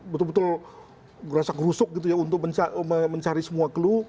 betul betul gerasak gerusuk gitu ya untuk mencari semua clue